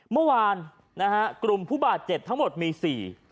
เมื่อวานนะฮะกลุ่มผู้บาดเจ็บทั้งหมดมีสี่